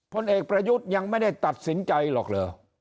ผลเอกประยุทธ์ยังไม่ได้ตัดสินใจหรอกเหรอ